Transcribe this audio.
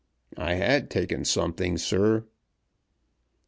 "I had taken something, sir."